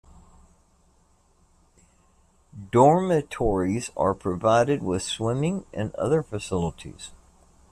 Dormitories are provided with swimming and other facilities.